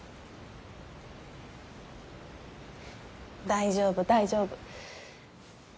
大丈夫大丈夫。